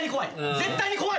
絶対に怖い。